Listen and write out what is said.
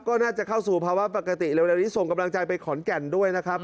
ก็น่าจะเข้าสู่ภาวะปกติเร็วนี้ส่งกำลังใจไปขอนแก่นด้วยนะครับ